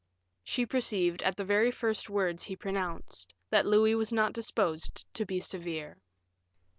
She perceived, at the very first words he pronounced, that Louis was not disposed to be severe.